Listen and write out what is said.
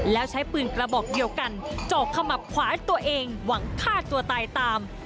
แล้วใช้ปืนกระบอกเดียวกันจอกขมับขวาตัวเองหวังฆ่าตัวตายตาม